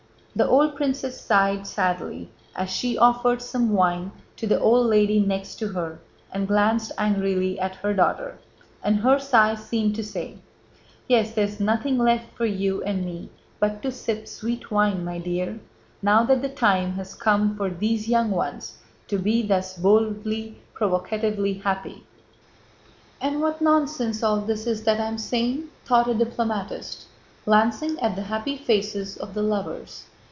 The old princess sighed sadly as she offered some wine to the old lady next to her and glanced angrily at her daughter, and her sigh seemed to say: "Yes, there's nothing left for you and me but to sip sweet wine, my dear, now that the time has come for these young ones to be thus boldly, provocatively happy." "And what nonsense all this is that I am saying!" thought a diplomatist, glancing at the happy faces of the lovers.